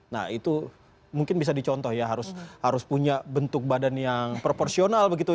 nah itu mungkin bisa dicontoh ya harus punya bentuk badan yang proporsional begitu